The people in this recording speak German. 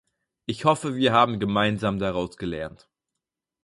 Ich hoffe, wir haben gemeinsam daraus gelernt.